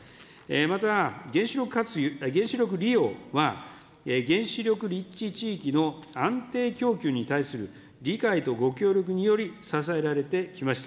また原子力利用は、原子力立地地域の安定供給に対する理解とご協力により支えられてきました。